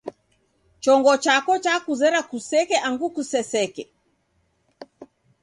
Chongo chako chakuzera kuseke angu kuseseke.